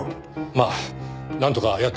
まあなんとかやってます。